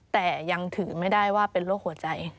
แต่ยังถือไม่ได้ว่าเป็นโรคหัวใจ